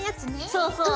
そうそう。